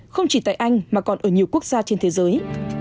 không chỉ tại anh mà còn ở nhiều quốc gia trên thế giới